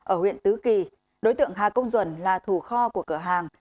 ở huyện tứ kỳ đối tượng hà công duẩn là thủ kho của cửa hàng